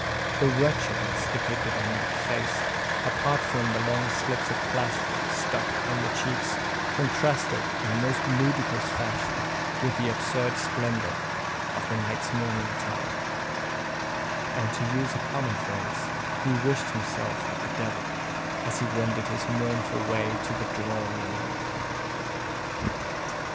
The wretchedness depicted on that face, apart from the long slips of plaster stuck upon the cheeks, contrasted in a most ludicrous fashion with the absurd splendour of the knight's morning attire; and, to use a common phrase, he wished himself at the devil, as he wended his mournful way to the drawing room.